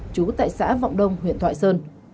trú tại xã vọng đông huyện thoại sơn